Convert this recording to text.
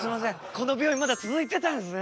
この病院まだ続いてたんですね。